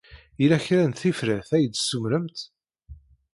Yella kra n tifrat ay d-ssumrent?